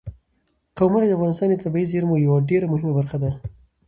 قومونه د افغانستان د طبیعي زیرمو یوه ډېره مهمه برخه ده.